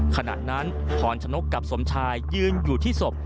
ขณะนั้นพรชนกกับสมชายยืนอยู่ที่ศพ